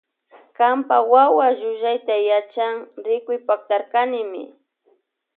Kanpa wawa llullayta yachan rikuypaktarkanimi.